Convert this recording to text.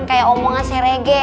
kayak omongan serege